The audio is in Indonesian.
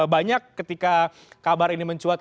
banyak ketika kabar ini mencuat